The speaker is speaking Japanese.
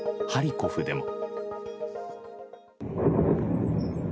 ハリコフでも。